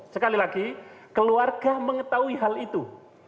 sekali lagi keluarga mengetahui hal itu